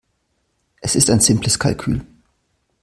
Es ist ein simples Kalkül.